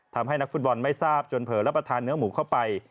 นักฟุตบอลไม่ทราบจนเผลอรับประทานเนื้อหมูเข้าไป